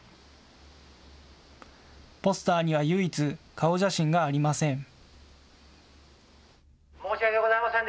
ポスターには唯一、顔写真がありません。